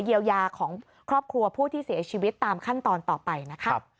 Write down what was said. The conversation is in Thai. เยียวยาของครอบครัวผู้ที่เสียชีวิตตามขั้นตอนต่อไปนะคะ